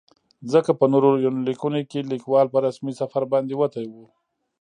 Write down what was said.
ځکه په نورو يونليکونو کې ليکوال په رسمي سفر باندې وتى و.